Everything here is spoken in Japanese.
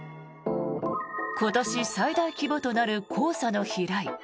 今年最大規模となる黄砂の飛来。